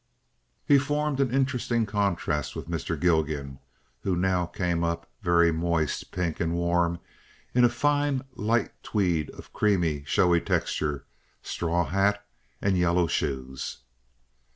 He formed an interesting contrast with Mr. Gilgan, who now came up very moist, pink, and warm, in a fine, light tweed of creamy, showy texture, straw hat, and yellow shoes.